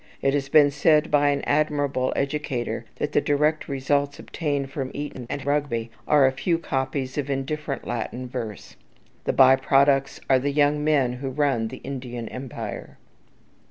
It has been said by an admirable educator that the direct results obtained from Eton and Rugby are a few copies of indifferent Latin verse; the by products are the young men who run the Indian Empire.